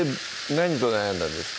何と悩んだんですか？